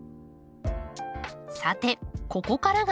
さてここからが本題。